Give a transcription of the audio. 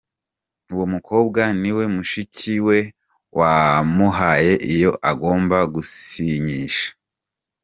Uwo mukobwa niwe mushiki we wamuhaye iyo agomba gusinyisha.